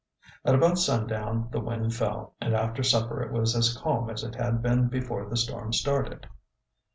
At about sundown the wind fell and after supper it was as calm as it had been before the storm started.